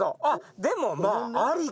あでもまあ。